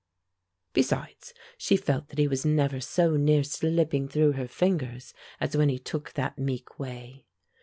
Besides, she felt that he was never so near slipping through her fingers as when he took that meek way.